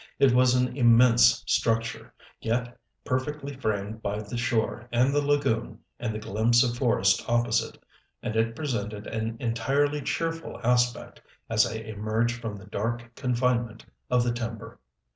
It was an immense structure, yet perfectly framed by the shore and the lagoon and the glimpse of forest opposite, and it presented an entirely cheerful aspect as I emerged from the dark confinement of the timber.